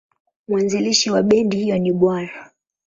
Mwanzilishi wa bendi hiyo ni Bw.